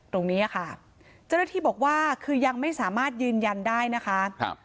ตรงนี้อ่ะค่ะจะได้ที่บอกว่าคือยังไม่สามารถยืนยันได้นะคะครับ